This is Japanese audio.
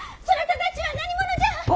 そなたたちは何者じゃ。